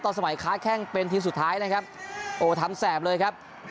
สมัยค้าแข้งเป็นทีมสุดท้ายนะครับโอ้ทำแสบเลยครับ